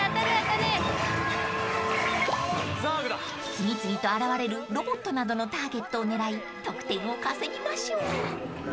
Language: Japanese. ［次々と現れるロボットなどのターゲットを狙い得点を稼ぎましょう］